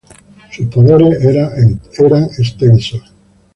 Sus poderes eran extensos.